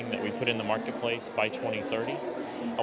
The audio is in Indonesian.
yang kita letak di pasar marsi pada tahun dua ribu tiga puluh